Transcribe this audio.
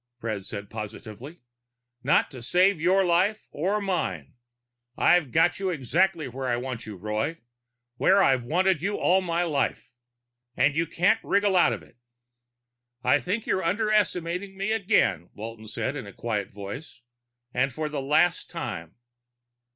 Fred said positively. "Not to save your life or mine. I've got you exactly where I want you, Roy. Where I've wanted you all my life. And you can't wriggle out of it." "I think you've underestimated me again," Walton said in a quiet voice. "And for the last time."